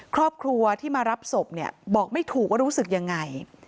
ครอบครัวที่มารับศพเนี่ยบอกไม่ถูกว่ารู้สึกยังไง